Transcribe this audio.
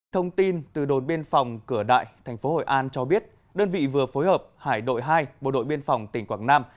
thông tin từ đồn biên phòng cửa đại tp hội an cho biết đơn vị vừa phối hợp hải đội hai bộ đội biên phòng tỉnh quảng nam